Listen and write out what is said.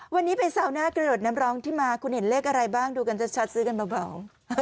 วันนี้เป็นซาวน่ากระโดดน้ำร้องที่มาคุณเห็นเลขอะไรบ้างดูกันชัดซื้อกันเบา